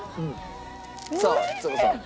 さあちさ子さん。